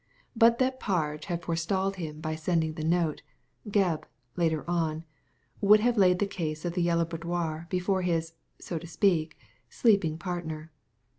But that Parge had forestalled him by sending the note, Gebb, later on, would have laid the case of the Yellow Boudoir before his — so to speak — sleeping partner.